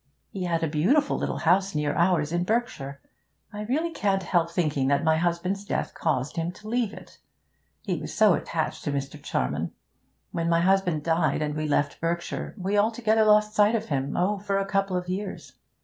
He had a beautiful little house near ours, in Berkshire. I really can't help thinking that my husband's death caused him to leave it. He was so attached to Mr. Charman! When my husband died, and we left Berkshire, we altogether lost sight of him oh, for a couple of years.